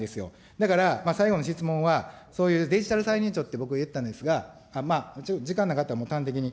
だから、最後の質問は、そういうデジタル歳入庁って僕、言ったんですが、時間なかったら、もう端的に。